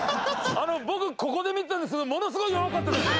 僕ここで見てたんですけどものすごい弱かったです。